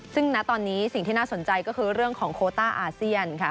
ซึ่งณตอนนี้สิ่งที่น่าสนใจก็คือเรื่องของโคต้าอาเซียนค่ะ